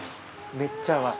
めっちゃうまい？